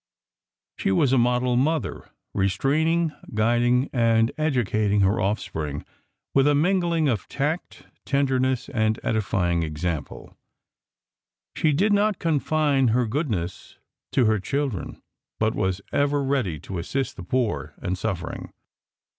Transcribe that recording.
She was a model mother, restraining, guiding and educating her offspring with a mingling of tact, tenderness and edifying example. She did not confine her goodness to her children, but was ever ready to assist the poor and suffering.